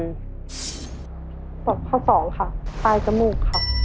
ตัวเลือกที่สองปลายจมูกครับ